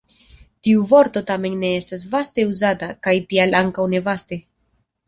Tiu vorto tamen ne estas vaste uzata, kaj tial ankaŭ ne vaste.